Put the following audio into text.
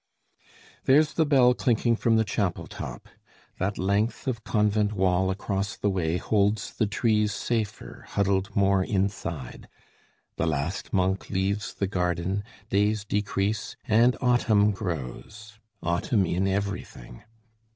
There's the bell clinking from the chapel top; That length of convent wall across the way Holds the trees safer, huddled more inside; The last monk leaves the garden; days decrease, And autumn grows, autumn in everything.